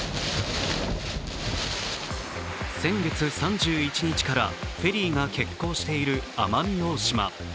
先月３１日からフェリーが欠航している奄美大島。